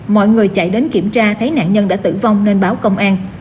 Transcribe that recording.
mọi người chạy đến kiểm tra thấy nạn nhân đã tử vong nên báo công an